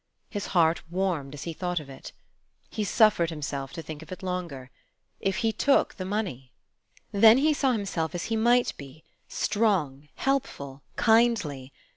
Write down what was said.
His heart warmed, as he thought of it. He suffered himself to think of it longer. If he took the money? Then he saw himself as he might be, strong, helpful, kindly.